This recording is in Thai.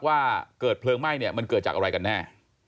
ว่าเกิดเพลิงไหม้เนี่ยมันเกิดจากอะไรกันแน่